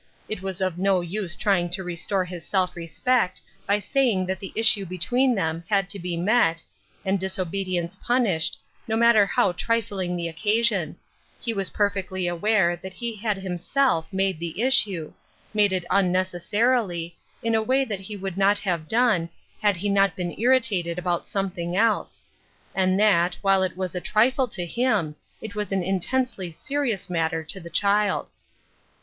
It was of no use trying to restore his self respect by saying that the issue between them had to be met, and disobedience punished, no matter how trifling the occasion ; he was perfectly aware that he had himself made the issue, made it unneces sarily, in a way that he would not have done, had he not been irritated about something else ; and that, while it was a trifle to him, it was an in tensely serious matter to the child.